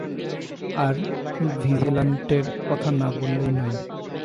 আর ভিজিলান্টের কথা না বললেই নয়।